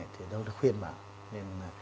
thì tôi đã khuyên bạn